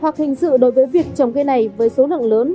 hoặc hình sự đối với việc trồng cây này với số lượng lớn